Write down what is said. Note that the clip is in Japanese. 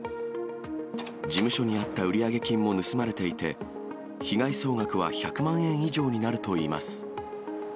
事務所にあった売上金も盗まれていて、被害総額は１００万円以上になるといいます。